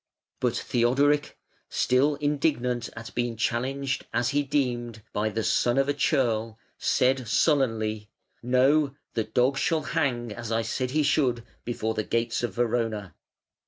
But Theodoric, still indignant at being challenged, as he deemed, by a son of a churl, said sullenly: "No; the dog shall hang, as I said he should, before the gates of Verona".